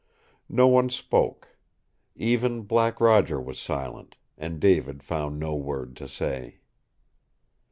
No one spoke. Even Black Roger was silent, and David found no word to say.